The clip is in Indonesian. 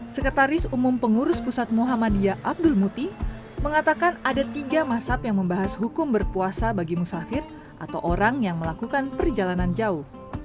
sekretaris umum pengurus pusat muhammadiyah abdul muti mengatakan ada tiga masyarakat yang membahas hukum berpuasa bagi musafir atau orang yang melakukan perjalanan jauh